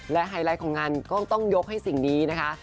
และไฮไลท์ของงานก็ต้องยกให้สิ่งนี้นะคะ